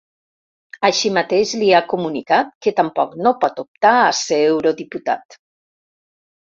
Així mateix li ha comunicat que tampoc no pot optar a ser eurodiputat.